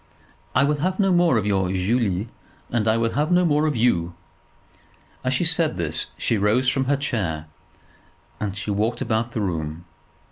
"I will have no more of your Julie; and I will have no more of you." As she said this she rose from her chair, and walked about the room.